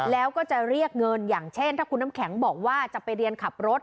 แล้วก็จะเรียกเงินอย่างเช่นถ้าคุณน้ำแข็งบอกว่าจะไปเรียนขับรถ